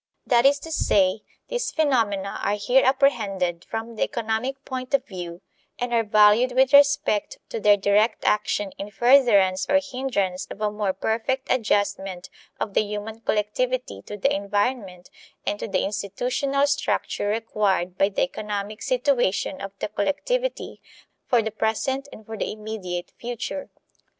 That is to say, these phenomena are here apprehended from the economic point of view and are valued with respect to their direct action in furtherance or hindrance of a more perfect adjustment of the human collectivity to the environment and to the institutional structure required by the economic situation of the collectivity for the present and for the immediate future.